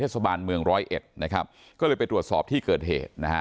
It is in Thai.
เขตเทศบาลเมือง๑๐๑นะครับก็เลยไปตรวจสอบที่เกิดเหตุนะฮะ